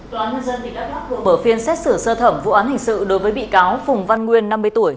tòa án nhân dân tỉnh đắk đắk bởi phiên xét xử sơ thẩm vụ án hình sự đối với bị cáo phùng văn nguyên năm mươi tuổi